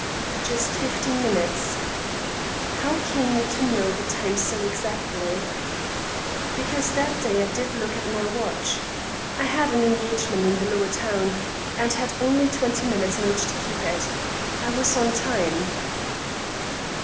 "Just fifteen minutes." "How came you to know the time so exactly?" "Because that day I did look at my watch. I had an engagement in the lower town, and had only twenty minutes in which to keep it. I was on time."